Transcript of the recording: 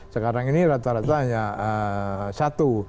sekarang ini rata rata hanya satu